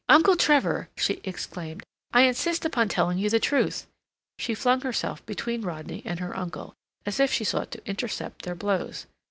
"Uncle Trevor," she exclaimed, "I insist upon telling you the truth!" She flung herself between Rodney and her uncle, as if she sought to intercept their blows.